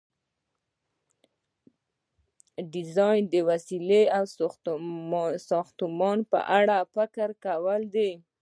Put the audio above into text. ډیزاین د وسیلې او ساختمان په اړه فکر کول دي.